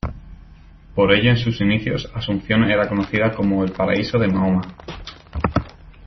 Por ello en sus inicios Asunción era conocida como ""El paraíso de Mahoma"".